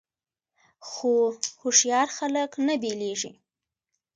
خو هوښیار خلک نه بیلیږي.